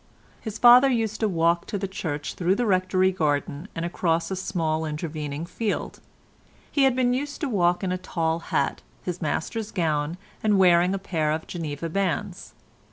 His father used to walk to the church through the Rectory garden, and across a small intervening field. He had been used to walk in a tall hat, his Master's gown, and wearing a pair of Geneva bands.